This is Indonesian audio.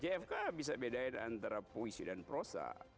jfk bisa bedain antara puisi dan prosa